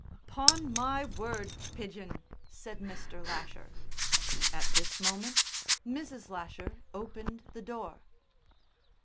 "Upon my word, Pidgen," said Mr. Lasher. At this moment Mrs. Lasher opened the door.